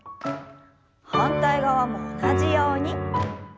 反対側も同じように。